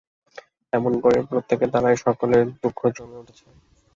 এমনি করে প্রত্যেকের দ্বারাই সকলের দুঃখ জমে উঠেছে।